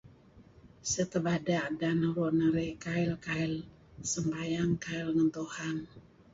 Sah tabada deh nuru' naih kail-kail sembayang kail ngan Tuhan